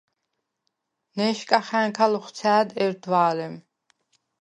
ნე̄შკახა̈ნქა ლოხვცა̄̈დ ერდვა̄ლე̄მ: